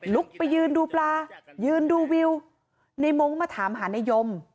ไปยืนดูปลายืนดูวิวในมงค์มาถามหานายม